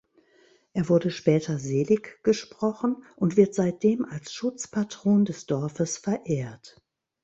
Er wurde später seliggesprochen und wird seitdem als Schutzpatron des Dorfes verehrt.